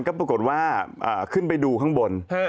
ก็ปรากฏว่าขึ้นไปดูข้างบน